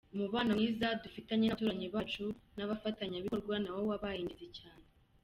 Umubano mwiza dufitanye n’abaturanyi bacu n’abafatanyabikorwa nawo wabaye ingenzi cyane.